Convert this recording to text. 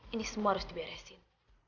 ini semua harus diberesin